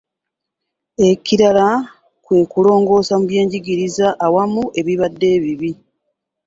Ekirala kwe kulongoosa mu byenjigiriza awamu ebibadde ebibi.